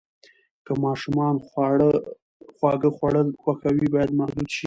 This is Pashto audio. که ماشوم خواږه خوړل خوښوي، باید محدود شي.